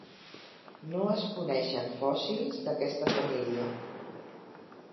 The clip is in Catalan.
No es coneixen fòssils d'aquesta família.